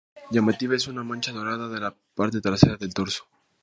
Llamativa es una mancha dorada en la parte trasera del torso.